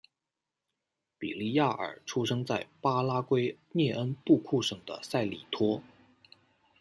比利亚尔出生在巴拉圭涅恩布库省的塞里托。